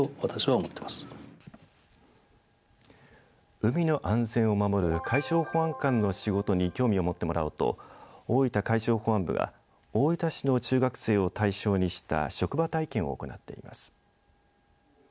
海の安全を守る海上保安官の仕事に興味を持ってもらおうと大分海上保安部が大分市の中学生を対象にした職場体験を行っています。